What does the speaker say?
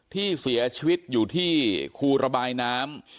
ที่เสียชีวิตอยู่ที่คูระบายน้ำ